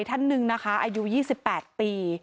ท่านหนึ่งอายุ๒๘ปี